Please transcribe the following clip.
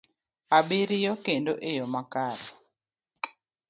abiriyo kendo e yo makare.